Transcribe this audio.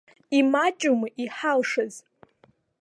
Имаҷума иҳалшаз?